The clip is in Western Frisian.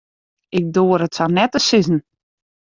Ik doar it sa net te sizzen.